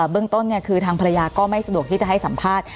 เบื้องต้นคือทางภรรยาก็ไม่สะดวกที่จะให้สัมภาษณ์